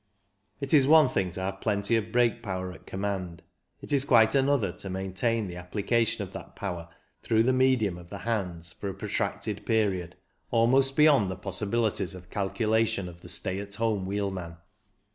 It is one thing to have plenty of brake power at command — it is quite another to maintain the application of that power, through the medium of the hands, for a protracted period, almost beyond the possibilities of calculation of the stay at home wheelman.